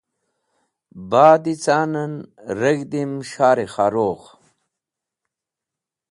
Ba’d ca’n en reg̃hdim s̃har-e Khorugh.